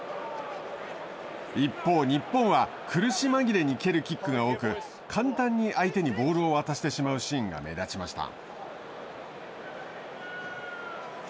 一方、日本は苦し紛れに蹴るキックが多く簡単に相手にボールを渡してしまうシーンが目立ちました。